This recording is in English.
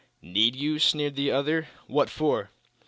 "Need you?" sneered the other. "What for?"